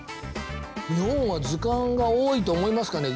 日本は図鑑が多いと思いますかね？